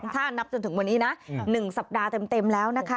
ถ้านับจนถึงวันนี้นะ๑สัปดาห์เต็มแล้วนะคะ